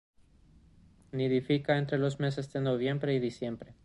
Nidifica entre los meses de noviembre y diciembre.